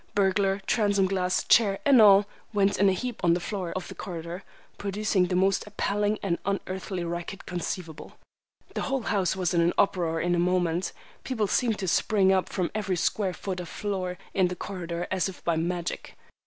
Burglar, transom glass, chair and all, went in a heap on the floor of the corridor, producing the most appalling and unearthly racket conceivable. The whole house was in an uproar in a moment. People seemed to spring up from every square foot of floor in the corridor as if by magic.